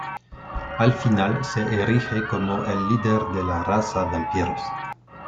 Al final se erige como el líder de la raza vampiros.